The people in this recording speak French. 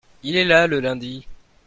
il est là le lundi.